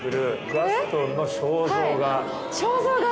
ガストンの肖像画。